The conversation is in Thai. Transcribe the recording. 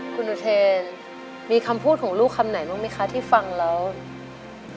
คุณอุเทนมีคำพูดของลูกคำไหนบ้างไหมคะที่ฟังแล้ว